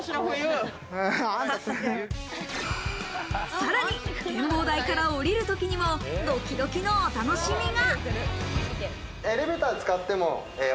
さらに展望台から降りる時にもドキドキのお楽しみが。